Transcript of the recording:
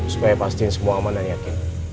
supaya pastiin semua aman dan yakin